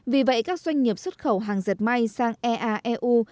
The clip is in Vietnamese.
vì vậy các doanh nghiệp xuất khẩu hàng dệt may sang eaeu